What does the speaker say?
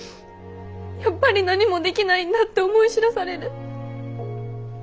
やっぱり何もできないんだって思い知らされる。